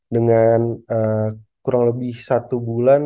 dengan kurang lebih satu bulan